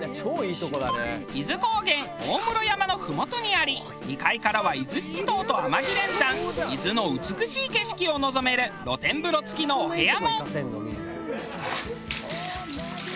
伊豆高原大室山のふもとにあり２階からは伊豆七島と天城連山伊豆の美しい景色を望める露天風呂付きのお部屋も。